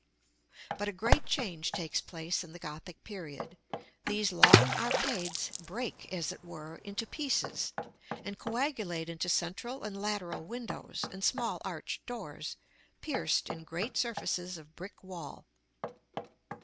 But a great change takes place in the Gothic period. These long arcades break, as it were, into pieces, and coagulate into central and lateral windows, and small arched doors, pierced in great surfaces of brick wall.